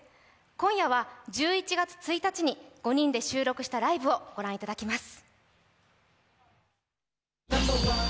今夜は１１月１日に５人で収録したライブをご覧いただきます。